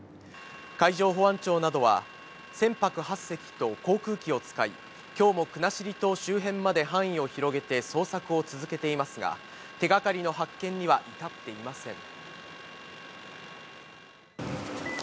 海上保安庁などは、船舶８隻と航空機を使い、きょうも国後島周辺まで範囲を広げて捜索を続けていますが、手がかりの発見には至っていません。